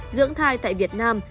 dưỡng thai tại việt nam